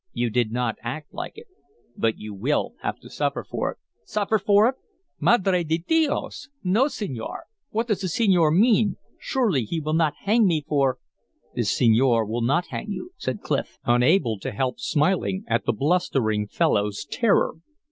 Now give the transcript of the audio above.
"You did not act like it. But you will have to suffer for it." "Suffer for it! Madre di dios, no, senor! What does the senor mean? Surely he will not hang me for " "The senor will not hang you," said Clif, unable to help smiling at the blustering fellow's terror.